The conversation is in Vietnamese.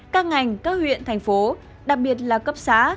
các ngành các huyện thành phố đặc biệt là cấp xã